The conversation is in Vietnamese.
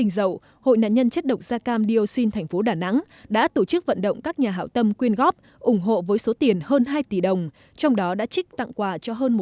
xin chào và hẹn gặp lại trong các bộ phim tiếp theo